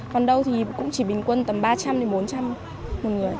còn đâu thì cũng chỉ bình quân tầm ba trăm linh đến bốn trăm linh người